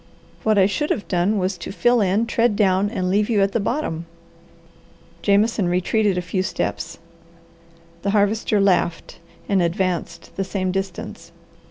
What I should have done was to fill in, tread down, and leave you at the bottom." Jameson retreated a few steps. The Harvester laughed and advanced the same distance.